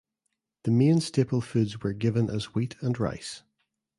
The main staple foods were given as wheat and rice.